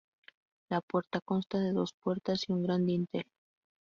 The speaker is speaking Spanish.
La puerta consta de dos puertas y un gran dintel.